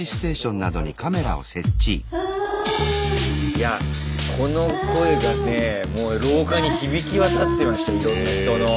いやこの声がねもう廊下に響き渡ってましたいろんな人の。